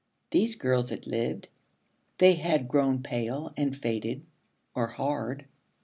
These girls had lived; they had grown pale and faded, or hard.